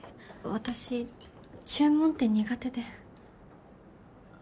私注文って苦手で。